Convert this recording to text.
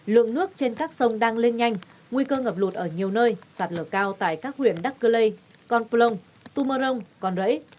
lượng nước trên các sông đang lên nhanh nguy cơ ngập lụt ở nhiều nơi sạt lở cao tại các huyện đắk cư lê con plông tu mơ rông con rẫy